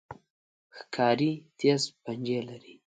ښکاري تیز پنجې لري.